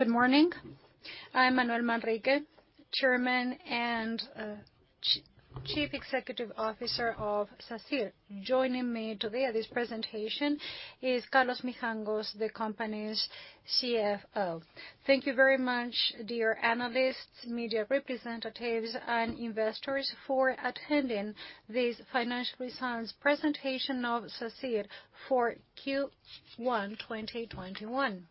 Good morning. I'm Manuel Manrique, Chairman and Chief Executive Officer of Sacyr. Joining me today at this presentation is Carlos Mijangos, the company's Chief Financial Officer. Thank you very much, dear analysts, media representatives, and investors, for attending this financial results presentation of Sacyr for Q1 2021.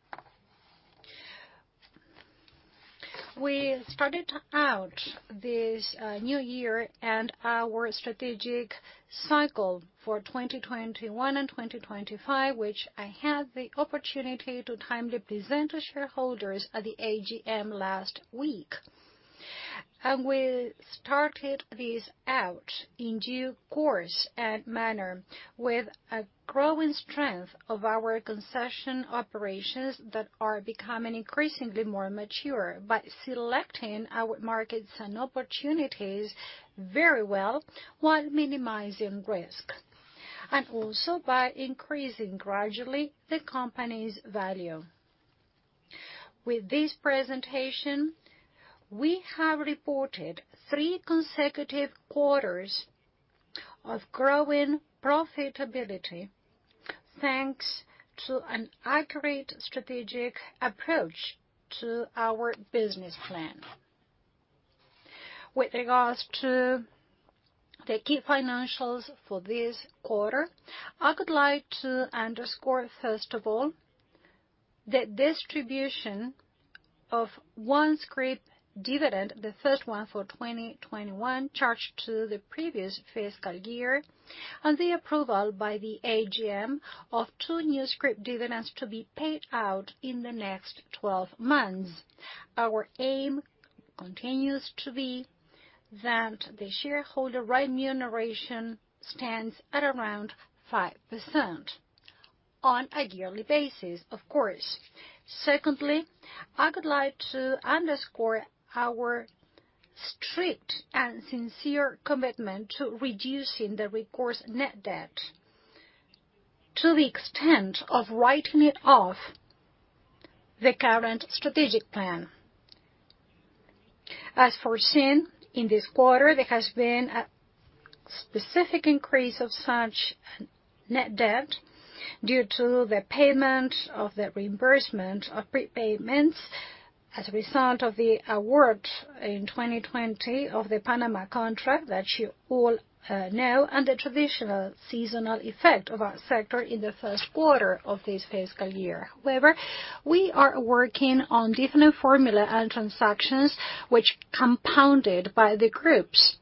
We started out this new year and our strategic cycle for 2021 and 2025, which I had the opportunity to timely present to shareholders at the AGM last week. We started this out in due course and manner with a growing strength of our concession operations that are becoming increasingly more mature by selecting our markets and opportunities very well while minimizing risk, and also by increasing gradually the company's value. With this presentation, we have reported three consecutive quarters of growing profitability, thanks to an accurate strategic approach to our business plan. With regards to the key financials for this quarter, I would like to underscore, first of all, the distribution of one scrip dividend, the first one for 2021, charged to the previous fiscal year, and the approval by the AGM of two new scrip dividends to be paid out in the next 12 months. Our aim continues to be that the shareholder remuneration stands at around 5% on a yearly basis, of course. Secondly, I would like to underscore our strict and sincere commitment to reducing the recourse net debt to the extent of writing it off the current strategic plan. As foreseen, in this quarter, there has been a specific increase of such net debt due to the payment of the reimbursement of prepayments as a result of the award in 2020 of the Panama contract that you all know, and the traditional seasonal effect of our sector in the first quarter of this fiscal year. We are working on different formula and transactions, which compounded by the group's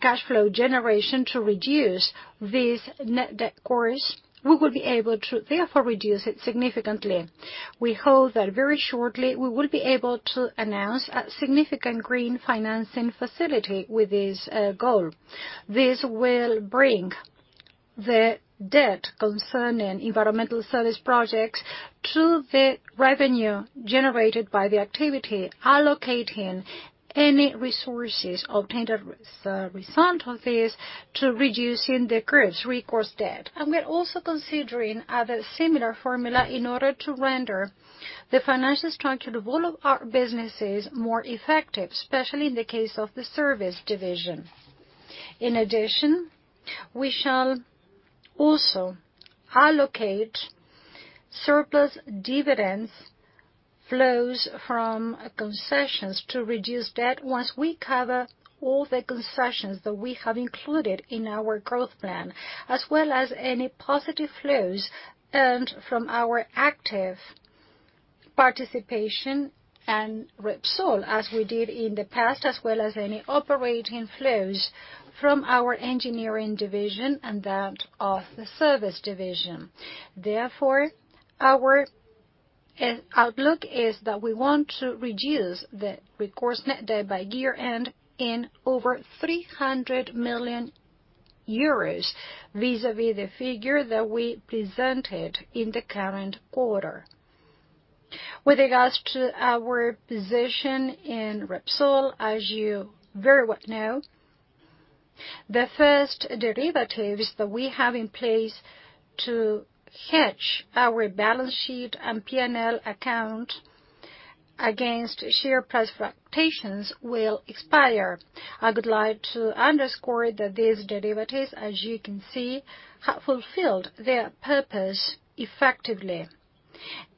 cash flow generation to reduce this recourse net debt, we will be able to therefore reduce it significantly. We hope that very shortly we will be able to announce a significant green financing facility with this goal. This will bring the debt concerning environmental service projects to the revenue generated by the activity, allocating any resources obtained as a result of this to reducing the group's recourse debt. We're also considering other similar formula in order to render the financial structure of all of our businesses more effective, especially in the case of the service division. In addition, we shall also allocate surplus dividends flows from concessions to reduce debt once we cover all the concessions that we have included in our growth plan, as well as any positive flows earned from our active participation in Repsol, as we did in the past, as well as any operating flows from our engineering division and that of the service division. Therefore, our outlook is that we want to reduce the recourse net debt by year-end in over 300 million euros vis-à-vis the figure that we presented in the current quarter. With regards to our position in Repsol, as you very well know, the first derivatives that we have in place to hedge our balance sheet and P&L account against share price fluctuations will expire. I would like to underscore that these derivatives, as you can see, have fulfilled their purpose effectively.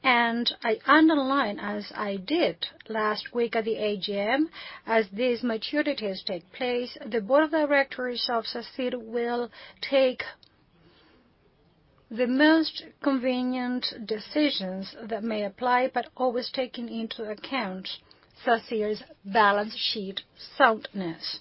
I underline, as I did last week at the AGM, as these maturities take place, the board of directors of Sacyr will take the most convenient decisions that may apply, but always taking into account Sacyr's balance sheet soundness.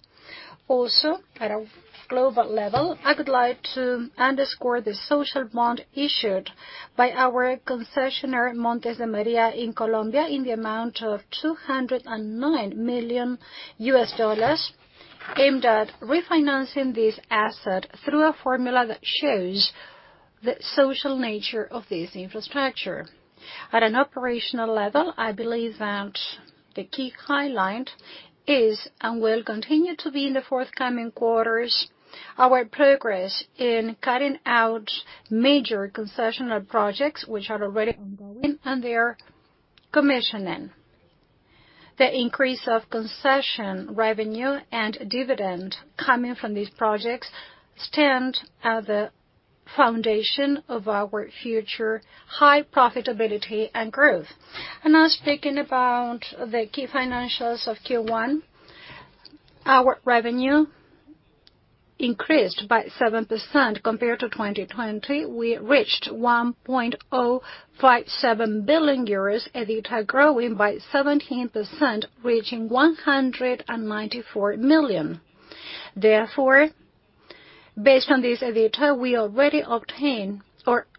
Also, at a global level, I would like to underscore the social bond issued by our concessionaire, Montes de María in Colombia, in the amount of $209 million, aimed at refinancing this asset through a formula that shows the social nature of this infrastructure. At an operational level, I believe that the key highlight is, and will continue to be in the forthcoming quarters, our progress in carrying out major concessional projects, which are already ongoing and they are commissioning. The increase of concession revenue and dividend coming from these projects stand as the foundation of our future high profitability and growth. Now speaking about the key financials of Q1, our revenue increased by 7% compared to 2020. We reached 1.057 billion euros, EBITDA growing by 17%, reaching 194 million. Based on this EBITDA,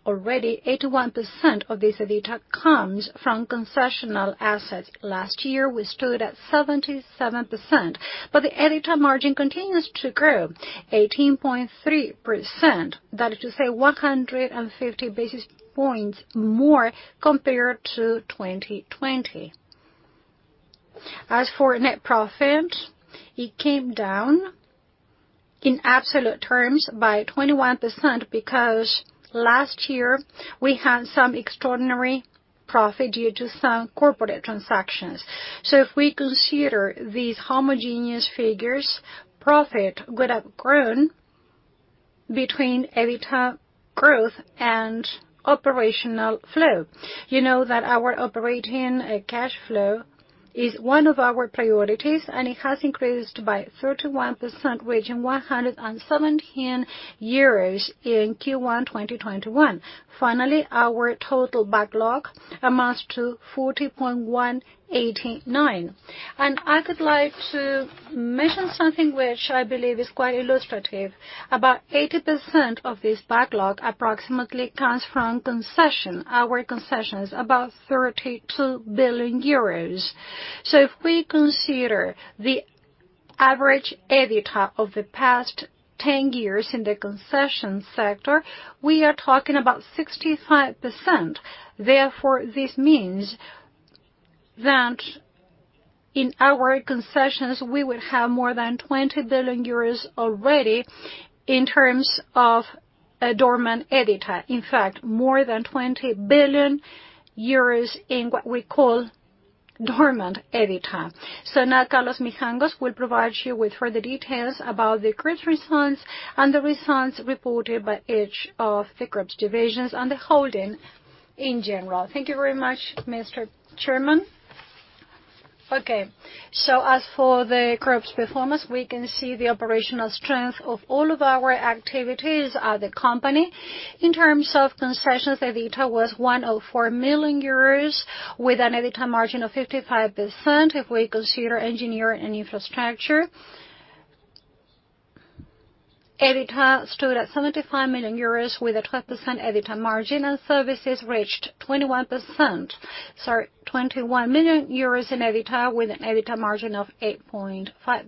already 81% of this EBITDA comes from concessional assets. Last year, we stood at 77%, but the EBITDA margin continues to grow 18.3%, that is to say, 150 basis points more compared to 2020. As for net profit, it came down in absolute terms by 21%, because last year we had some extraordinary profit due to some corporate transactions. If we consider these homogeneous figures, profit would have grown between EBITDA growth and operational flow. You know that our operating cash flow is one of our priorities, and it has increased by 31%, reaching 117 euros in Q1 2021. Finally, our total backlog amounts to 40.189 billion. I would like to mention something which I believe is quite illustrative. About 80% of this backlog approximately comes from concession. Our concession is about 32 billion euros. If we consider the average EBITDA of the past 10 years in the concession sector, we are talking about 65%. Therefore, this means that in our concessions, we will have more than 20 billion euros already in terms of dormant EBITDA. In fact, more than 20 billion euros in what we call dormant EBITDA. Now Carlos Mijangos will provide you with further details about the group's results and the results reported by each of the group's divisions and the holding in general. Thank you very much, Mr. Chairman. Okay. As for the group's performance, we can see the operational strength of all of our activities at the company. In terms of concessions, the EBITDA was 104 million euros, with an EBITDA margin of 55%. If we consider engineering and infrastructure, EBITDA stood at 75 million euros with a 12% EBITDA margin, and services reached 21%. Sorry, 21 million euros in EBITDA with an EBITDA margin of 8.5%.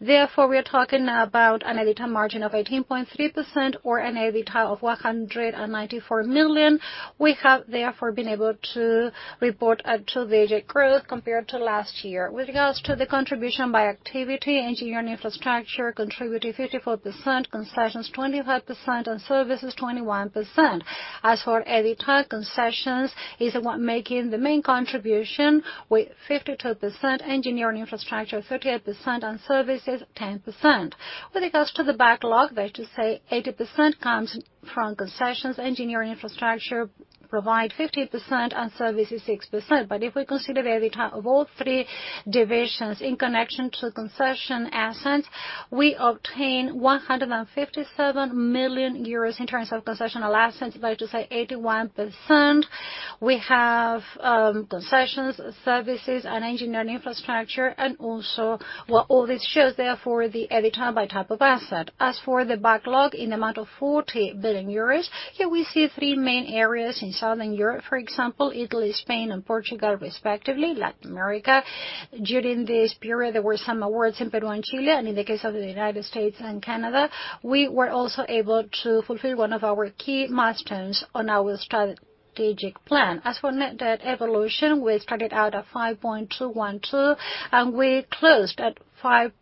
Therefore, we are talking about an EBITDA margin of 18.3% or an EBITDA of 194 million. We have, therefore, been able to report a two-digit growth compared to last year. With regards to the contribution by activity, engineering infrastructure contributed 54%, concessions 25%, and services 21%. As for EBITDA, concessions is the one making the main contribution with 52%, engineering infrastructure 38%, and services 10%. When it comes to the backlog, that is to say 80% comes from concessions, engineering infrastructure provide 15%, and services 6%. If we consider the EBITDA of all three divisions in connection to concession assets, we obtain 157 million euros in terms of concessional assets, that is to say 81%. We have concessions, services, and engineering infrastructure, and also all this shows, therefore, the EBITDA by type of asset. As for the backlog in the amount of 40 billion euros, here we see three main areas in Southern Europe, for example, Italy, Spain, and Portugal, respectively, Latin America. During this period, there were some awards in Peru and Chile, and in the case of the U.S. and Canada, we were also able to fulfill one of our key milestones on our strategic plan. As for net debt evolution, we started out at 5.212, and we closed at 5.606.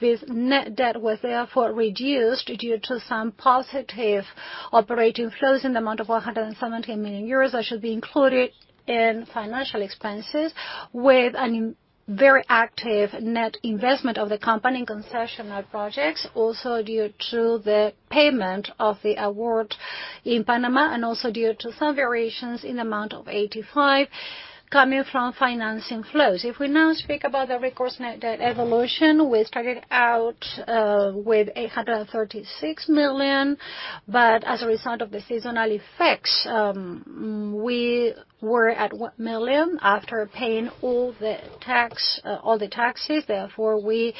This net debt was therefore reduced due to some positive operating flows in the amount of 117 million euros that should be included in financial expenses with a very active net investment of the company in concessional projects, also due to the payment of the award in Panama and also due to some variations in the amount of 85 million coming from financing flows. If we now speak about the recourse net debt evolution, we started out with 836 million, but as a result of the seasonal effects, we were at 1 million after paying all the taxes. We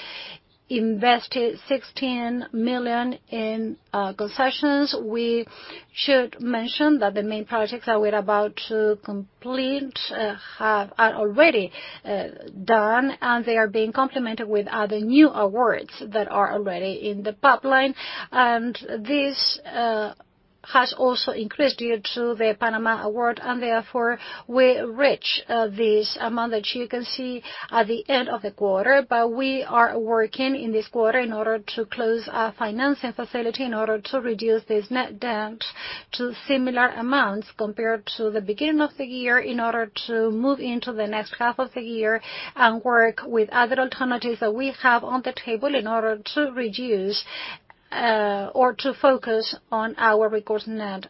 invested 16 million in concessions. We should mention that the main projects that we're about to complete are already done, and they are being complemented with other new awards that are already in the pipeline. This has also increased due to the Panama award, and therefore we reach this amount that you can see at the end of the quarter. We are working in this quarter in order to close a financing facility in order to reduce this net debt to similar amounts compared to the beginning of the year, in order to move into the next half of the year and work with other alternatives that we have on the table in order to reduce or to focus on our recourse net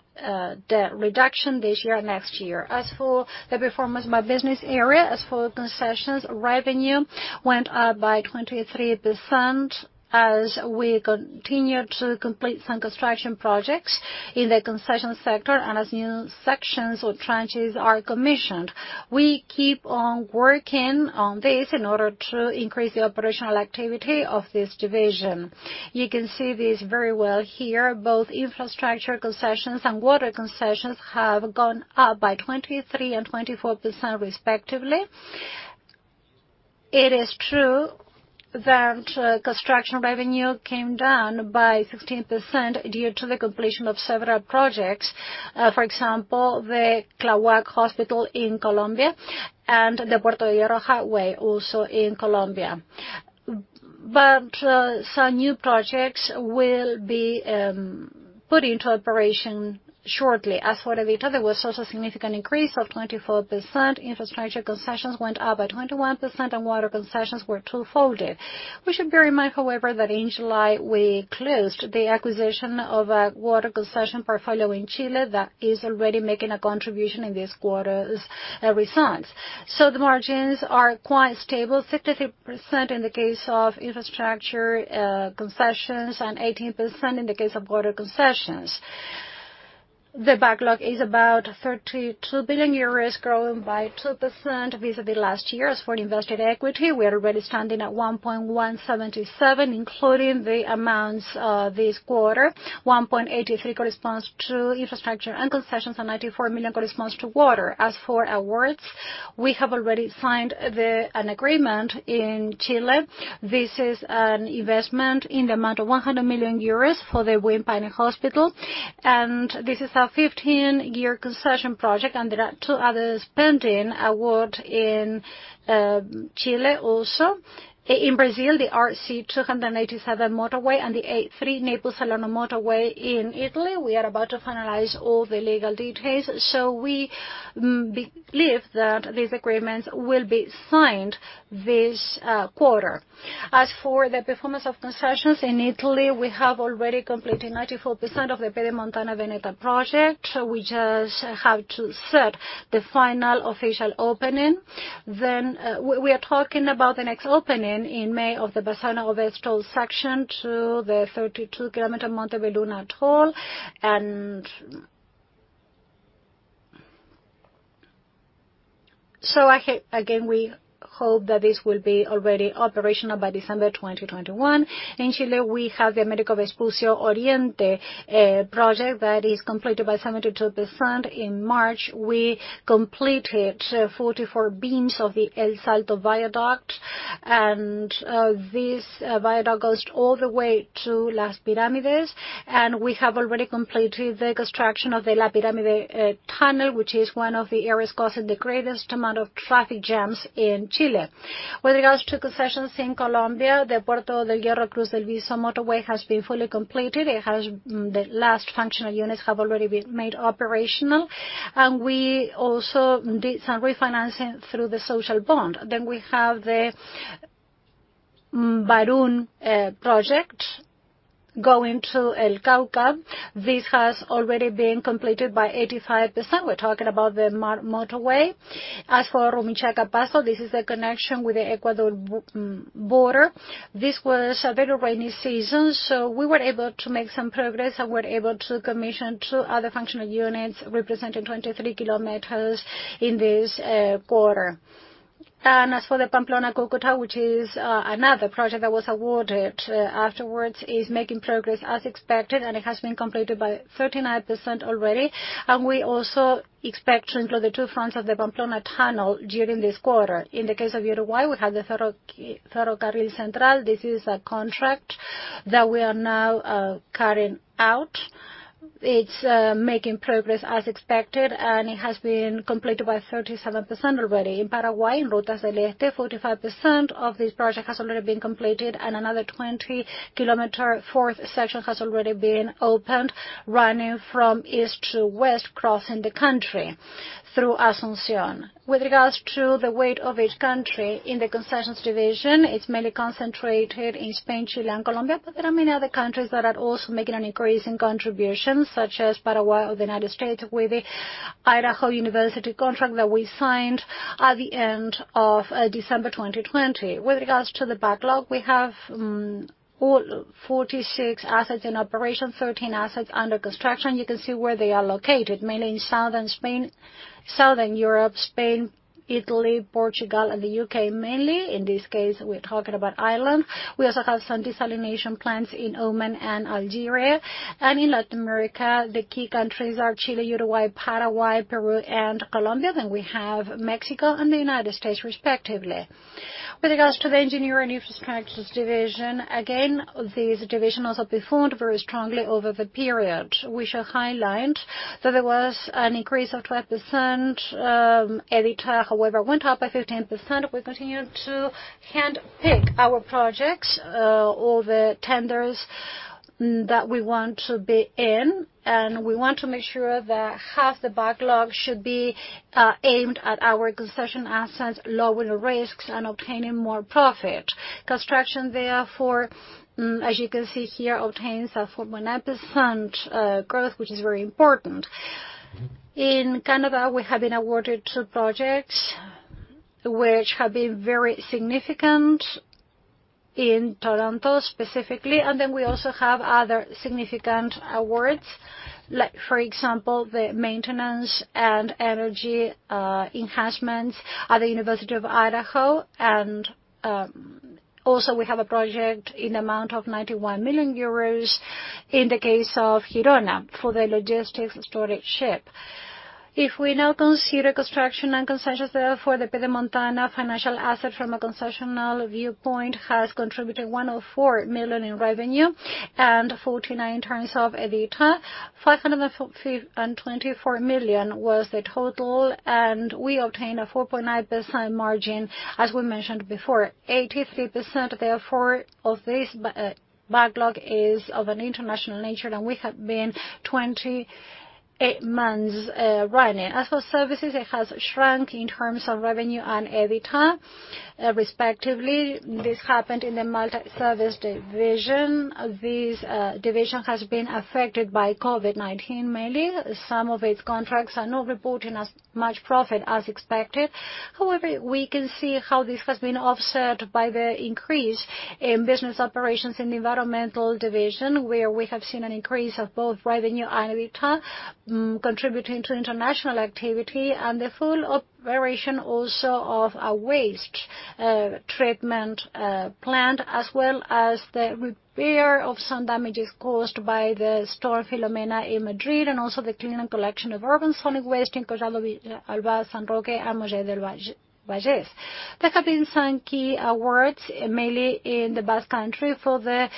debt reduction this year, next year. As for the performance by business area, as for concessions, revenue went up by 23% as we continued to complete some construction projects in the concessions sector, and as new sections or trenches are commissioned. We keep on working on this in order to increase the operational activity of this division. You can see this very well here. Both infrastructure concessions and water concessions have gone up by 23% and 24% respectively. It is true that construction revenue came down by 16% due to the completion of several projects. For example, the Sótero del Río Hospital in Colombia and the Puerta de Hierro – Cruz del Viso Highway, also in Colombia. Some new projects will be put into operation shortly. As for EBITDA, there was also a significant increase of 24%. Infrastructure concessions went up by 21%, and water concessions were twofolded. We should bear in mind, however, that in July, we closed the acquisition of a water concession portfolio in Chile that is already making a contribution in this quarter's results. The margins are quite stable, 53% in the case of infrastructure concessions and 18% in the case of water concessions. The backlog is about 32 billion euros, growing by 2% vis-à-vis last year. As for invested equity, we are already standing at 1,177, including the amounts this quarter. 1.83 corresponds to infrastructure and concessions, and 94 million corresponds to water. As for awards, we have already signed an agreement in Chile. This is an investment in the amount of 100 million euros for the Buin-Paine Hospital, and this is a 15-year concession project, and there are two others pending award in Chile also. In Brazil, the RSC-287 motorway and the A3 Naples-Salerno motorway in Italy. We are about to finalize all the legal details. We believe that these agreements will be signed this quarter. As for the performance of concessions in Italy, we have already completed 94% of the Pedemontana-Veneta project. We just have to set the final official opening. We are talking about the next opening in May of the Bassano del Grappa section to the 32-km Montebelluna toll. Again, we hope that this will be already operational by December 2021. In Chile, we have the Américo Vespucio Oriente project that is completed by 72%. In March, we completed 44 beams of the El Salto viaduct, and this viaduct goes all the way to Las Piramides. We have already completed the construction of the La Piramide tunnel, which is one of the areas causing the greatest amount of traffic jams in Chile. With regards to concessions in Colombia, the Puerta de Hierro – Cruz del Viso motorway has been fully completed. The last functional units have already been made operational. We also did some refinancing through the social bond. We have the Pamplona-Cúcuta project going to Cauca. This has already been completed by 85%. We're talking about the motorway. As for Rumichaca-Pasto, this is the connection with the Ecuador border. This was a very rainy season, so we were able to make some progress and were able to commission two other functional units representing 23 km in this quarter. As for the Pamplona-Cúcuta, which is another project that was awarded afterwards, is making progress as expected, and it has been completed by 39% already. We also expect to include the two fronts of the Pamplona tunnel during this quarter. In the case of Uruguay, we have the Ferrocarril Central. This is a contract that we are now carrying out. It's making progress as expected, and it has been completed by 37% already. In Paraguay, in Rutas del Este, 45% of this project has already been completed, and another 20-km fourth section has already been opened, running from east to west, crossing the country through Asunción. With regards to the weight of each country in the concessions division, it's mainly concentrated in Spain, Chile, and Colombia. There are many other countries that are also making an increase in contributions, such as Paraguay or the United States, with the University of Idaho contract that we signed at the end of December 2020. With regards to the backlog, we have 46 assets in operation, 13 assets under construction. You can see where they are located, mainly in southern Europe, Spain, Italy, Portugal, and the U.K., mainly. In this case, we're talking about Ireland. We also have some desalination plants in Oman and Algeria. In Latin America, the key countries are Chile, Uruguay, Paraguay, Peru, and Colombia. We have Mexico and the United States, respectively. With regards to the Engineering Infrastructures division, again, this division also performed very strongly over the period. We shall highlight that there was an increase of 12%, EBITDA, however, went up by 15%. We continued to handpick our projects, all the tenders that we want to be in, and we want to make sure that half the backlog should be aimed at our concession assets, lowering the risks and obtaining more profit. Construction, therefore, as you can see here, obtains a 4.9% growth, which is very important. We also have other significant awards like, for example, the maintenance and energy enhancements at the University of Idaho. We also have a project in the amount of 91 million euros in the case of Girona for the logistics storage ship. If we now consider construction and concessions, therefore, the Pedemontana financial asset from a concessional viewpoint has contributed 104 million in revenue and 49 million in terms of EBITDA. 524 million was the total, and we obtained a 4.9% margin. As we mentioned before, 83%, therefore, of this backlog is of an international nature, and we have been 28 months running. As for services, it has shrunk in terms of revenue and EBITDA, respectively. This happened in the multi-service division. This division has been affected by COVID-19, mainly. Some of its contracts are not reporting as much profit as expected. We can see how this has been offset by the increase in business operations in the environmental division, where we have seen an increase of both revenue and EBITDA, contributing to international activity and the full operation also of a waste treatment plant, as well as the repair of some damages caused by Storm Filomena in Madrid, and also the cleaning collection of urban solid waste in Coslada, Alcobendas and Majadahonda. There have been some key awards, mainly in the Basque Country, for the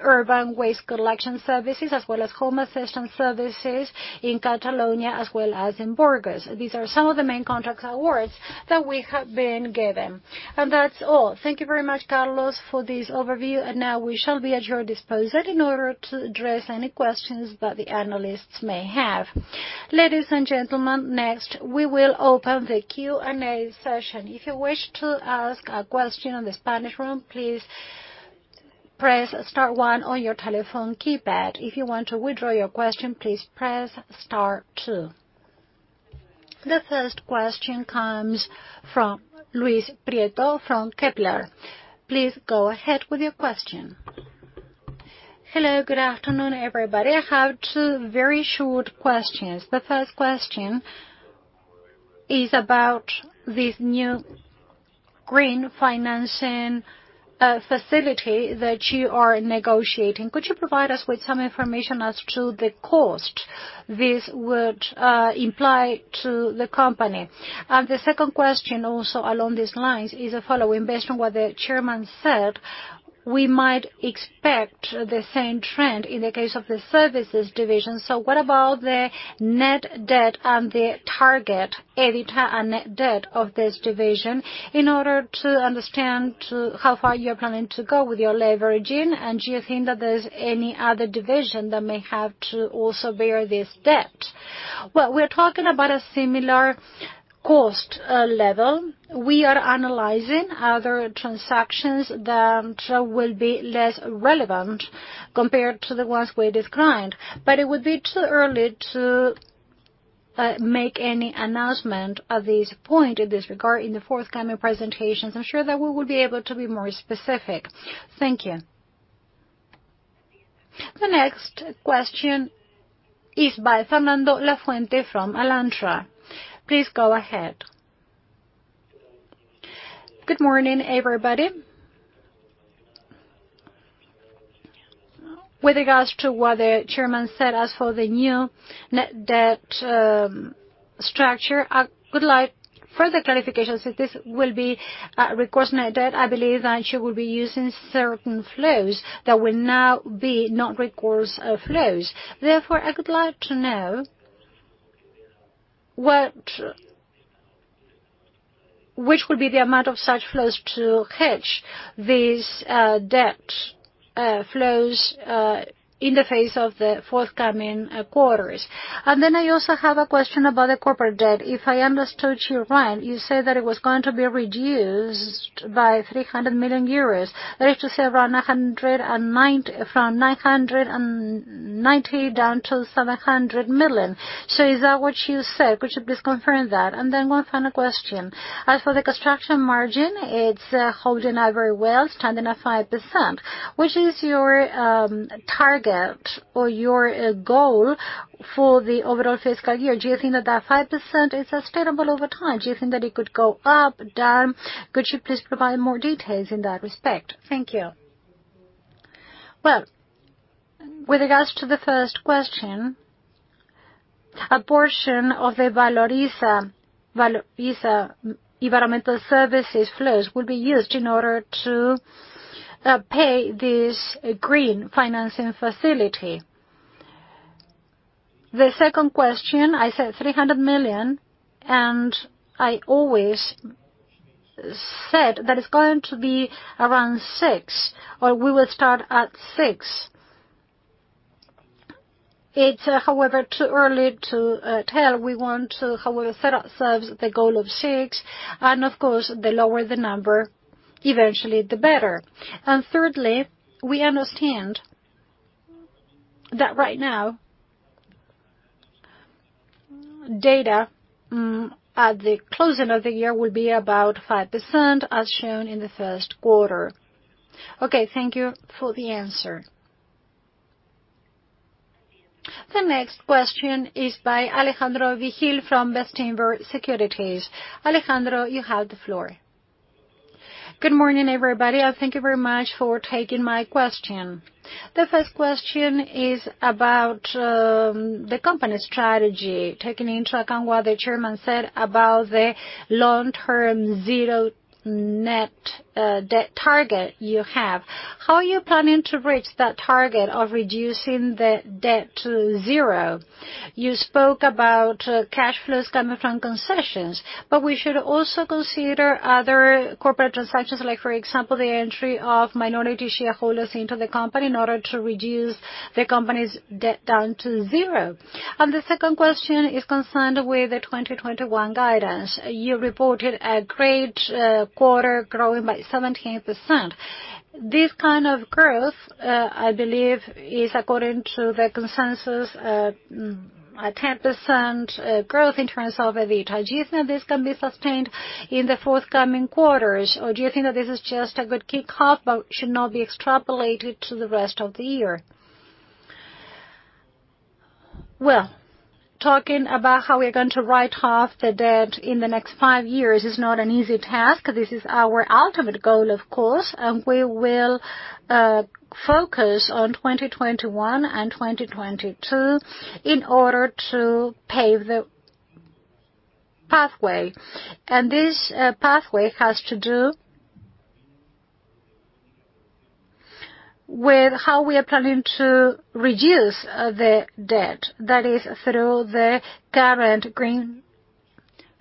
urban waste collection services, as well as home assistance services in Catalonia as well as in Burgos. These are some of the main contract awards that we have been given. That's all. Thank you very much, Carlos, for this overview. Now we shall be at your disposal in order to address any questions that the analysts may have. Ladies and gentlemen, next, we will open the Q&A session. If you wish to ask a question on the Spanish room, please press star one on your telephone keypad. If you want to withdraw your question, please press star two. The first question comes from Luis Prieto from Kepler. Please go ahead with your question. Hello. Good afternoon, everybody. I have two very short questions. The first question is about this new green financing facility that you are negotiating. Could you provide us with some information as to the cost this would imply to the company? The second question, also along these lines, is as follow. Based on what the Chairman said, we might expect the same trend in the case of the services division. What about the net debt and the target EBITDA and net debt of this division in order to understand how far you're planning to go with your leveraging? Do you think that there's any other division that may have to also bear this debt? Well, we're talking about a similar cost level. We are analyzing other transactions that will be less relevant compared to the ones we declined. It would be too early to make any announcement at this point in this regard. In the forthcoming presentations, I'm sure that we will be able to be more specific. Thank you. The next question is by Fernando Lafuente from Alantra. Please go ahead. Good morning, everybody. With regards to what the chairman said, as for the new net debt structure, I would like further clarification. This will be recourse net debt, I believe, and you will be using certain flows that will now be non-recourse flows. I would like to know which will be the amount of such flows to hedge these debt flows in the face of the forthcoming quarters. I also have a question about the corporate debt. If I understood you right, you said that it was going to be reduced by 300 million euros. That is to say, from 990 million down to 700 million. Is that what you said? Could you please confirm that? One final question. As for the construction margin, it's holding up very well, standing at 5%. Which is your target or your goal for the overall fiscal year? Do you think that that 5% is sustainable over time? Do you think that it could go up, down? Could you please provide more details in that respect? Thank you. Well, with regards to the first question, a portion of the Valoriza Environmental Services flows will be used in order to pay this green financing facility. The second question, I said 300 million, I always said that it's going to be around six, or we will start at six. It's, however, too early to tell. We want to, however, set ourselves the goal of six, Of course, the lower the number, eventually the better. Thirdly, we understand that right now, data at the closing of the year will be about 5%, as shown in the first quarter. Okay, thank you for the answer. The next question is by Alejandro Vigil from Bestinver Securities. Alejandro, you have the floor. Good morning, everybody, thank you very much for taking my question. The first question is about the company strategy. Taking into account what the Chairman said about the long-term zero net debt target you have, how are you planning to reach that target of reducing the debt to zero? You spoke about cash flows coming from concessions, we should also consider other corporate transactions, like for example, the entry of minority shareholders into the company in order to reduce the company's debt down to zero. The second question is concerned with the 2021 guidance. You reported a great quarter, growing by 17%. This kind of growth, I believe, is according to the consensus, a 10% growth in terms of EBITDA. Do you think this can be sustained in the forthcoming quarters, or do you think that this is just a good kickoff, but should not be extrapolated to the rest of the year? Well, talking about how we are going to write off the debt in the next five years is not an easy task. This is our ultimate goal, of course, and we will focus on 2021 and 2022 in order to pave the pathway. This pathway has to do with how we are planning to reduce the debt, that is through the current green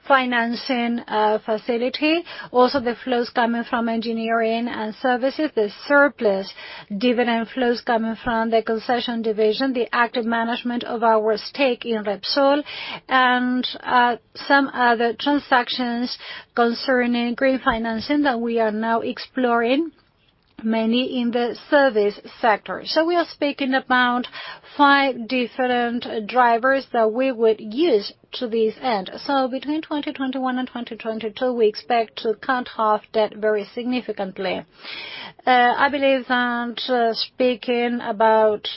financing facility. Also, the flows coming from engineering and services, the surplus dividend flows coming from the concession division, the active management of our stake in Repsol, and some other transactions concerning green financing that we are now exploring, mainly in the service sector. We are speaking about five different drivers that we would use to this end. Between 2021 and 2022, we expect to cut half debt very significantly. I believe that speaking about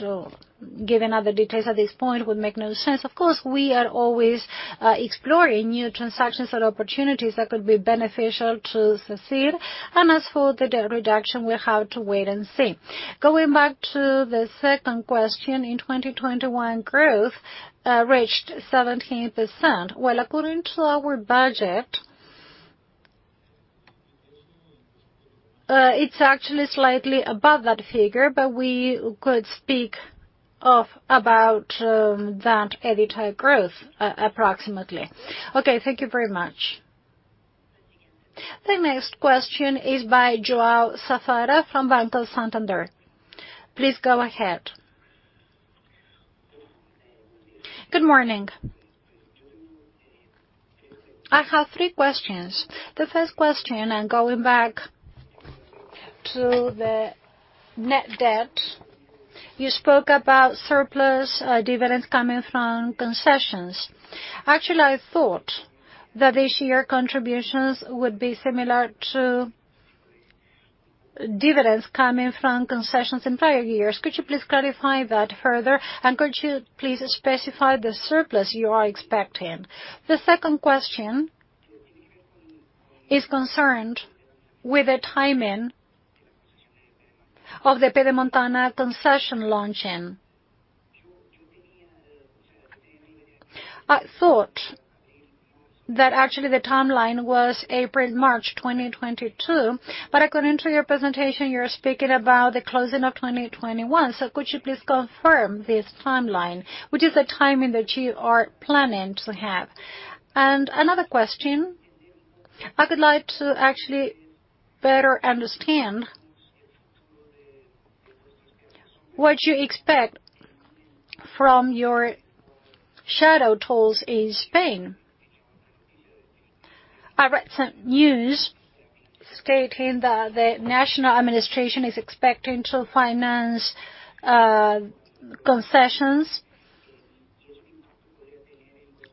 giving other details at this point would make no sense. Of course, we are always exploring new transactions or opportunities that could be beneficial to Sacyr, and as for the debt reduction, we'll have to wait and see. Going back to the second question, in 2021 growth reached 17%. Well, according to our budget, it's actually slightly above that figure, but we could speak of about that EBITDA growth approximately. Okay, thank you very much. The next question is by João Safara Silva from Banco Santander. Please go ahead. Good morning. I have three questions. The first question, and going back to the net debt, you spoke about surplus dividends coming from concessions. Actually, I thought that this year contributions would be similar to dividends coming from concessions in prior years. Could you please clarify that further, and could you please specify the surplus you are expecting? The second question is concerned with the timing of the Pedemontana concession launching. I thought that actually the timeline was April/March 2022, but according to your presentation, you're speaking about the closing of 2021. Could you please confirm this timeline, which is the timing that you are planning to have? Another question, I would like to actually better understand what you expect from your shadow tolls in Spain. I read some news stating that the national administration is expecting to finance concessions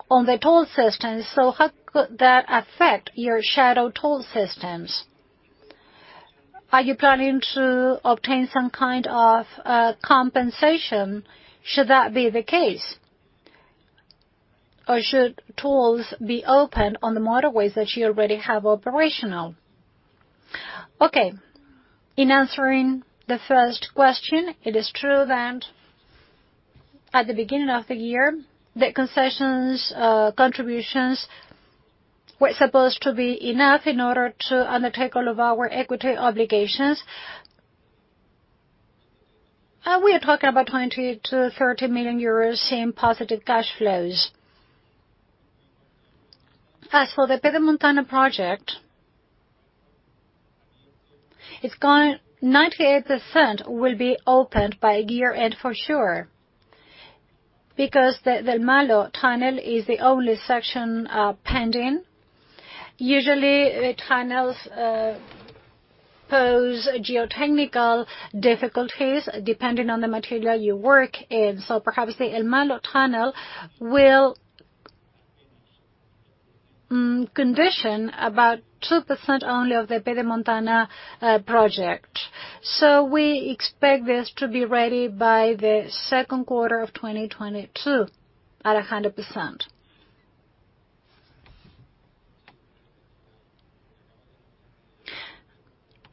on the toll system, so how could that affect your shadow toll systems? Are you planning to obtain some kind of compensation, should that be the case? Should tolls be opened on the motorways that you already have operational? Okay. In answering the first question, it is true that at the beginning of the year, the concessions contributions were supposed to be enough in order to undertake all of our equity obligations. We are talking about 20 million-30 million euros in positive cash flows. As for the Pedemontana project, 98% will be opened by year-end for sure, because the El Malo Tunnel is the only section pending. Usually, the tunnels pose geotechnical difficulties depending on the material you work in. Perhaps the El Malo Tunnel will condition about 2% only of the Pedemontana project. We expect this to be ready by the second quarter of 2022 at 100%.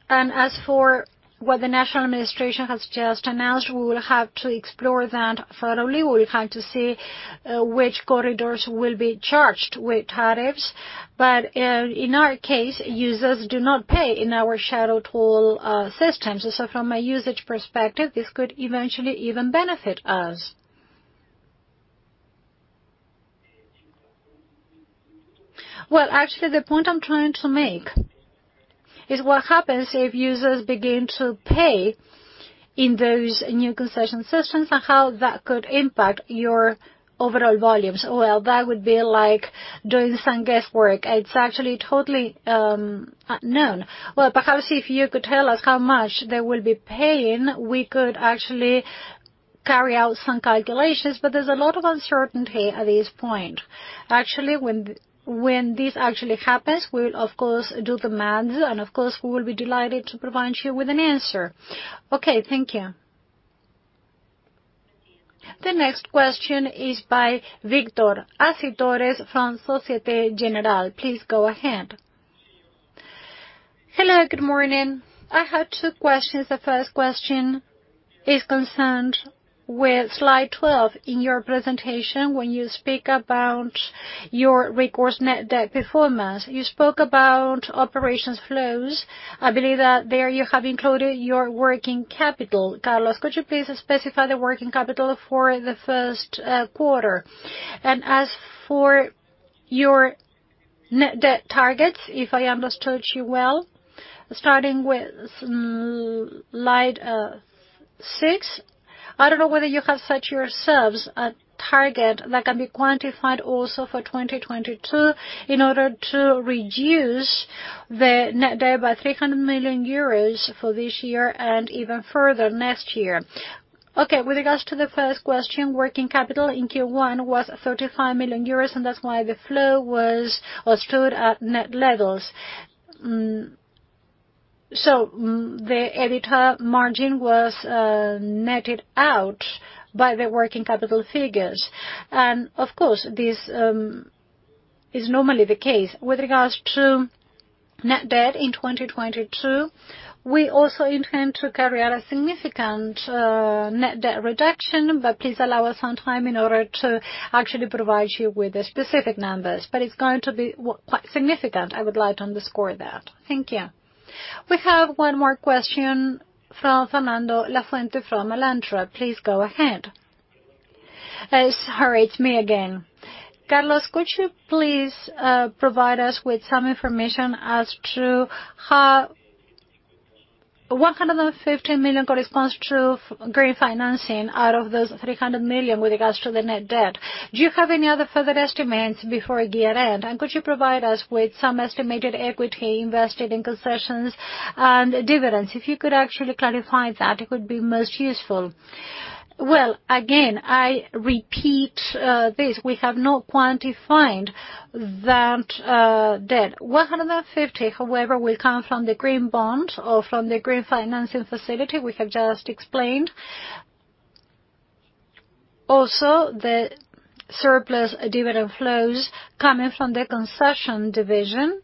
As for what the national administration has just announced, we will have to explore that thoroughly. We will have to see which corridors will be charged with tariffs. In our case, users do not pay in our shadow toll systems. From a usage perspective, this could eventually even benefit us. Actually, the point I'm trying to make is what happens if users begin to pay in those new concession systems and how that could impact your overall volumes. That would be like doing some guesswork. It's actually totally unknown. Perhaps if you could tell us how much they will be paying, we could actually carry out some calculations, but there's a lot of uncertainty at this point. Actually, when this actually happens, we'll of course do the math, and of course, we will be delighted to provide you with an answer. Okay. Thank you. The next question is by Victor Acitores from Societe Generale. Please go ahead. Hello, good morning. I have two questions. The first question is concerned with slide 12 in your presentation, when you speak about your recourse net debt performance. You spoke about operations flows. I believe that there you have included your working capital. Carlos, could you please specify the working capital for the first quarter? As for your net debt targets, if I understood you well, starting with slide six, I don't know whether you have set yourselves a target that can be quantified also for 2022 in order to reduce the net debt by 300 million euros for this year and even further next year. With regards to the first question, working capital in Q1 was 35 million euros. That's why the flow stood at net levels. The EBITDA margin was netted out by the working capital figures. Of course, this is normally the case. With regards to net debt in 2022, we also intend to carry out a significant net debt reduction, but please allow us some time in order to actually provide you with the specific numbers. But it's going to be quite significant, I would like to underscore that. Thank you. We have one more question from Fernando Lafuente from Alantra. Please go ahead. Sorry, it's me again. Carlos, could you please provide us with some information as to how 150 million corresponds to green financing out of those 300 million with regards to the net debt? Do you have any other further estimates before year-end? Could you provide us with some estimated equity invested in concessions and dividends? If you could actually clarify that, it would be most useful. Well, again, I repeat this, we have not quantified that debt. 150 million however, will come from the green bond or from the green financing facility we have just explained. Also, the surplus dividend flows coming from the concession division,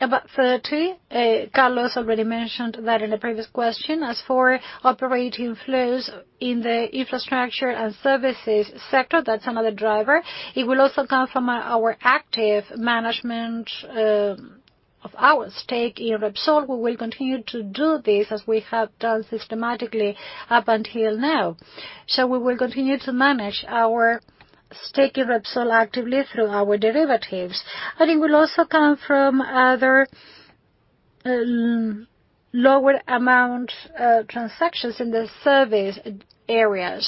about 30 million. Carlos already mentioned that in a previous question. As for operating flows in the infrastructure and services sector, that's another driver. It will also come from our active management of our stake in Repsol. We will continue to do this as we have done systematically up until now. We will continue to manage our stake in Repsol actively through our derivatives. It will also come from other lower amount transactions in the service area.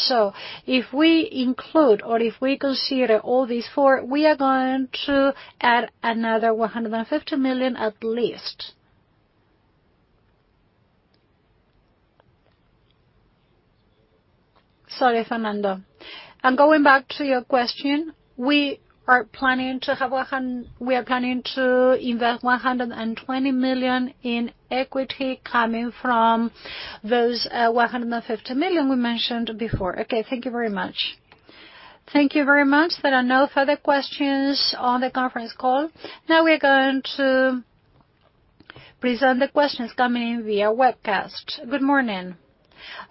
If we include or if we consider all these four, we are going to add another 150 million at least. Sorry, Fernando. Going back to your question, we are planning to invest 120 million in equity coming from those 150 million we mentioned before. Okay. Thank you very much. Thank you very much. There are no further questions on the conference call. We are going to present the questions coming in via webcast. Good morning.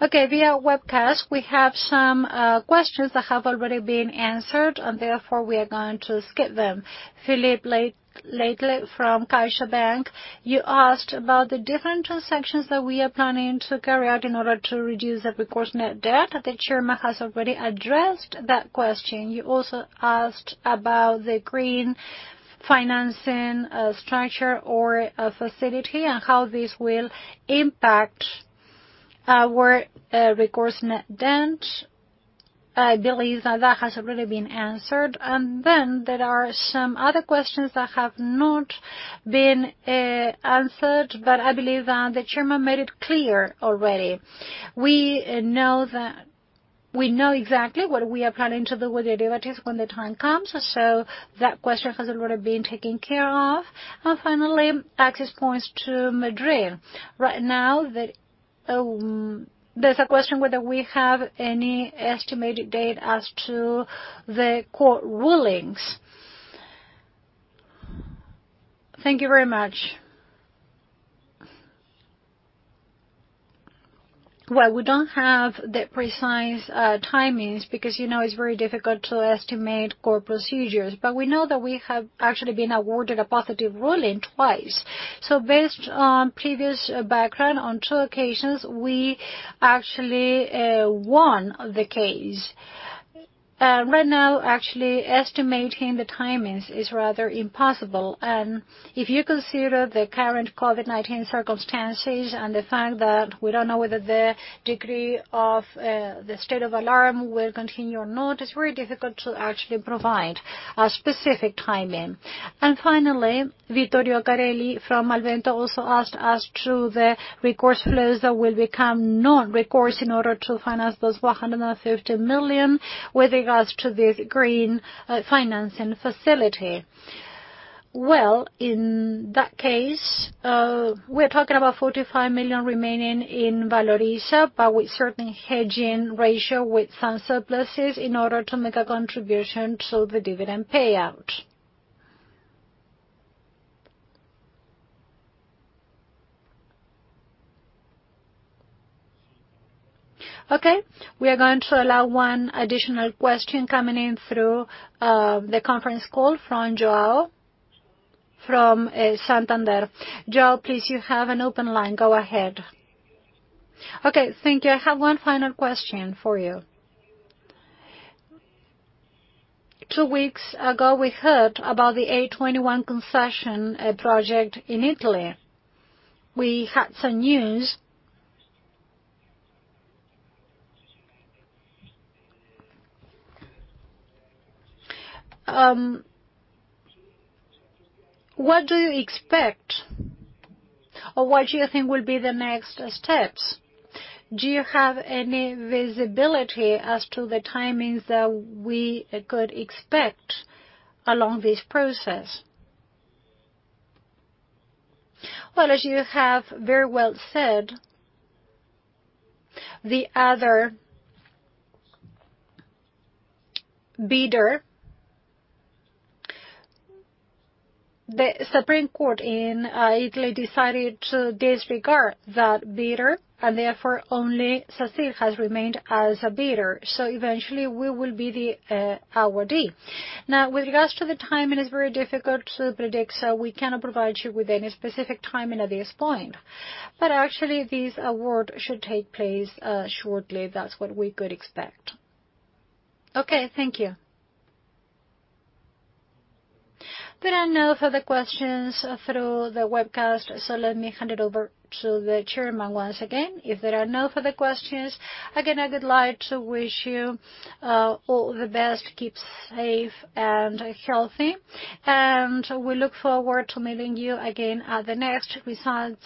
Okay. Via webcast, we have some questions that have already been answered, and therefore we are going to skip them. Filipe Leite from CaixaBank, you asked about the different transactions that we are planning to carry out in order to reduce the recourse net debt. The chairman has already addressed that question. You also asked about the green financing structure or facility, and how this will impact our recourse net debt. I believe that has already been answered. There are some other questions that have not been answered, but I believe that the chairman made it clear already. We know exactly what we are planning to do with the derivatives when the time comes. That question has already been taken care of. Finally, access points to Madrid. Right now, there's a question whether we have any estimated date as to the court rulings. Thank you very much. Well, we don't have the precise timings, because it's very difficult to estimate court procedures. We know that we have actually been awarded a positive ruling twice. Based on previous background, on two occasions, we actually won the case. Right now, actually estimating the timings is rather impossible. If you consider the current COVID-19 circumstances and the fact that we don't know whether the degree of the state of alarm will continue or not, it's very difficult to actually provide a specific timing. Finally, Vittorio Carelli from Alvento Capital Partners also asked as to the recourse flows that will become non-recourse in order to finance those 150 million with regards to the green financing facility. Well, in that case, we're talking about 45 million remaining in Valoriza, but with certain hedging ratio with some surpluses in order to make a contribution to the dividend payout. Okay, we are going to allow one additional question coming in through the conference call from João from Santander. João, please, you have an open line. Go ahead. Okay. Thank you. I have one final question for you. Two weeks ago, we heard about the A21 concession project in Italy. We had some news. What do you expect or what do you think will be the next steps? Do you have any visibility as to the timings that we could expect along this process? As you have very well said, the other bidder, the Supreme Court in Italy decided to disregard that bidder, therefore only Sacyr has remained as a bidder. Eventually we will be the awardee. With regards to the timing, it's very difficult to predict, we cannot provide you with any specific timing at this point. Actually, this award should take place shortly. That's what we could expect. Okay. Thank you. There are no further questions through the webcast, let me hand it over to the chairman. Once again. If there are no further questions, again, I would like to wish you all the best. Keep safe and healthy, and we look forward to meeting you again at the next results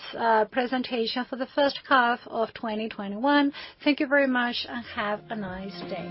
presentation for the first half of 2021. Thank you very much, and have a nice day.